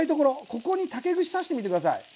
ここに竹串刺してみて下さい。